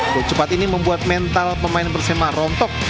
kecepatan ini membuat mental pemain persebaya rontok